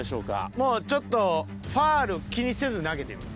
もうちょっとファウルを気にせず投げてみます。